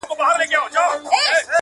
سیاه پوسي ده، ترې کډي اخلو.